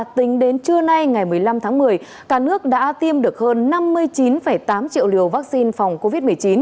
tính đến trưa nay ngày một mươi năm tháng một mươi cả nước đã tiêm được hơn năm mươi chín tám triệu liều vaccine phòng covid một mươi chín